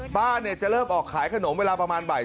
ป้าจะเริ่มออกขายขนมเวลาประมาณบ่าย